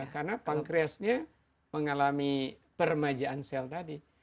karena pankreasnya mengalami peremajaan sel tadi